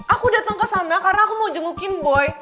aku dateng kesana karna aku mau jengukin boy